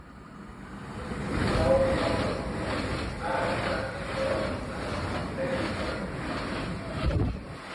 O hospital fraudou a declaração de óbito a mando do médico plantonista